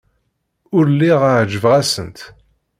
Ur lliɣ ɛejbeɣ-asent.